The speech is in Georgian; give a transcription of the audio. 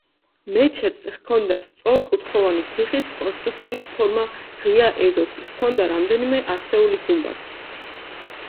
მეჩეთს ჰქონდა სწორკუთხოვანი თიხის კონსტრუქციის ფორმა ღია ეზოთი, ჰქონდა რამდენიმე ასეული გუმბათი.